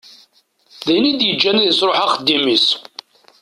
D ayen i d-yeǧǧan ad yesruḥ axeddim-is.